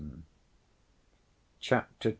Chapter II.